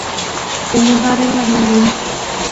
En el barrio Las Malvinas.